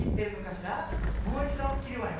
もういちどきるわよ。